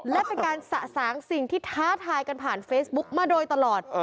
และเป็นการสะสางสิ่งที่ท้าทายกันผ่านเฟซบุ๊กมาโดยตลอด